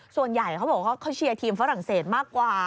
ส่วนใหญ่เขาบอกว่าเขาเชียร์ทีมฝรั่งเศสมากกว่า